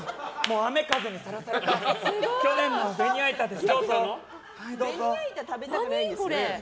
雨風にさらされた去年のベニヤ板です。